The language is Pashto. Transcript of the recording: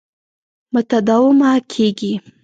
متداومه کېږي.